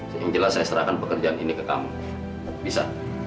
kamu gak yakin dengan keyakinan yang ada